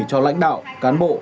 cho lãnh đạo cán bộ